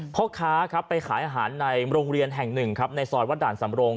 เพราะค้าไปขายอาหารในโรงเรียนแห่ง๑ในซอยวัดด่านสำรง